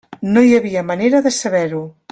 No hi havia manera de saber-ho.